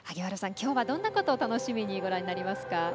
きょうはどんなことを楽しみにご覧になりますか？